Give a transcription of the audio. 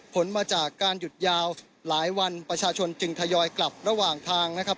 ผลมาจากการหยุดยาวหลายวันประชาชนจึงทยอยกลับระหว่างทางนะครับ